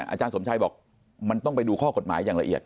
อาจารย์สมชัยบอกมันต้องไปดูข้อกฎหมายอย่างละเอียด